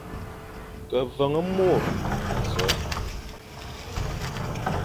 Ke veñ môr azôe,